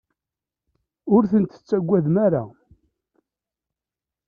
Ur ten-tettagadem ara.